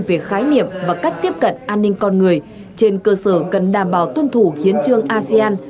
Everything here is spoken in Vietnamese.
về khái niệm và cách tiếp cận an ninh con người trên cơ sở cần đảm bảo tuân thủ hiến trương asean